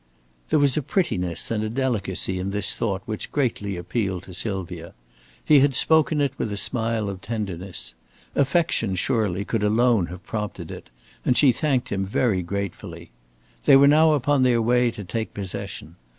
There was a prettiness and a delicacy in this thought which greatly appealed to Sylvia. He had spoken it with a smile of tenderness. Affection, surely, could alone have prompted it; and she thanked him very gratefully. They were now upon their way to take possession.